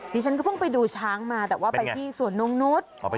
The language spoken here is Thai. ดิฉันก็เพิ่งไปดูช้างมาแต่ว่าไปที่สวนนงนุษย์